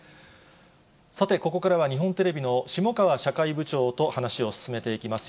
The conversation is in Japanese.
さて、ここからは、日本テレビの下川社会部長と話を進めていきます。